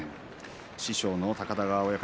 師匠の高田川親方